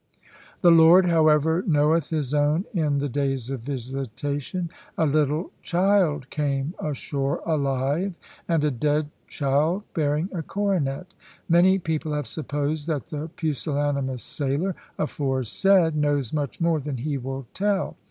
The Lord, however, knoweth His own in the days of visitation. A little child came ashore alive, and a dead child bearing a coronet. Many people have supposed that the pusillanimous sailor aforesaid knows much more than he will tell.